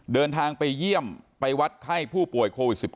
เดินทางไปเยี่ยมไปวัดไข้ผู้ป่วยโควิด๑๙